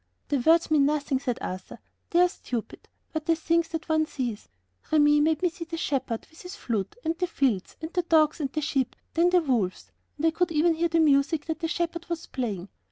"The words mean nothing," said Arthur; "they are stupid, but the things that one sees! Remi made me see the shepherd with his flute, and the fields, and the dogs, and the sheep, then the wolves, and I could even hear the music that the shepherd was playing.